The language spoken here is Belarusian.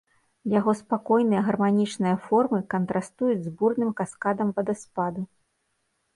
Яго спакойныя гарманічныя формы кантрастуюць з бурным каскадам вадаспаду.